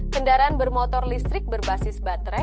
kendaraan bermotor listrik berbasis baterai